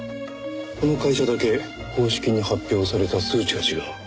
この会社だけ公式に発表された数値が違う。